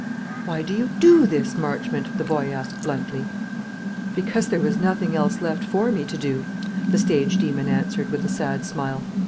"Why do you do this, Marchmont?" the boy asked bluntly. "Because there was nothing else left for me to do," the stage demon answered with a sad smile.